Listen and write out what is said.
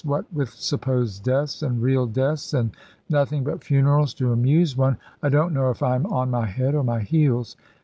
What with supposed deaths and real deaths, and nothing but funerals to amuse one, I don't know if I am on my head or my heels.